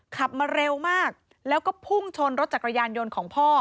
ขับมาเร็วมากแล้วก็พุ่งชนรถจักรยานยนต์ของพ่อ